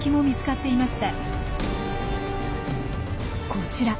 こちら。